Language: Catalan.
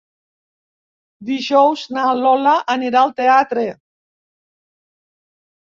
Dijous na Lola anirà al teatre.